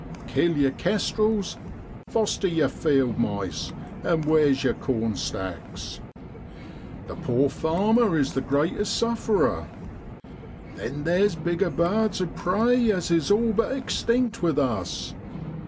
Kill yer kestrels, foster yer field mice, and where's yer SEPTEMBER IN BROADLAND. 99 corn stacks ? The poor farmer is the greatest sufferer. Then theer's bigger birds of prey as is all but extinct with us.